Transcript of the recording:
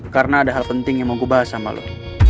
karena ada hal penting yang mau gue bahas sama lo